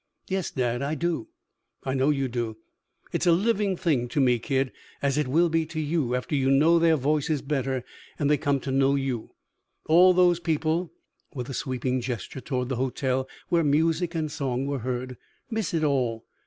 "Yes, Dad, I do." "I know you do. It's a living thing to me, kid, as it will be to you after you know their voices better and they come to know you. All those people," with a sweeping gesture toward the hotel where music and song were heard, "miss it all.